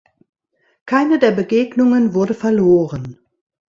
Keine der Begegnungen wurde verloren.